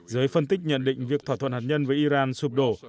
giới phân tích nhận định việc thỏa thuận hạt nhân với iran sụp đổ